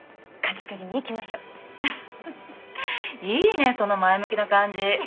いいねその前向きな感じ。